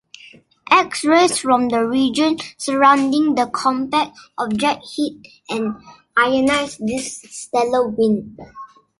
X-rays from the region surrounding the compact object heat and ionize this stellar wind.